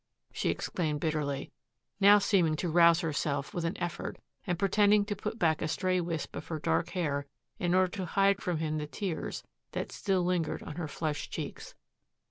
she exclaimed bitterly, now seeming to rouse herself with an effort and pretending to put back a stray wisp of her dark hair in order to hide from him the tears that still lingered on her flushed cheeks.